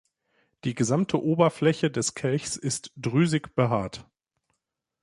Die gesamte Oberfläche des Kelchs ist drüsig behaart.